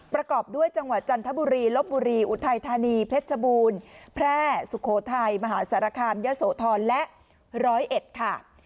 ประกอบด้วยจังหวัดจันทบุรีลบบุรีอุทัยธานีเพชรบูรณ์แพร่สุโขทัยมหาสารคามยะโสธรและ๑๐๑ค่ะ